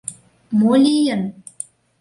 — Мо лийын?